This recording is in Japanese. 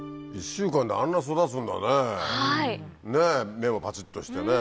目もパチっとしてね。